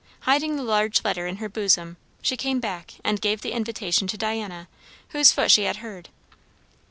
Hiding the large letter in her bosom, she came back and gave the invitation to Diana, whose foot she had heard.